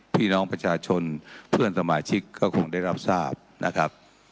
พี่น้องประชาชนเพื่อนสมาชิกก็คงได้รับทราบนะครับ